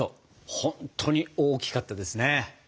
ほんとに大きかったですね。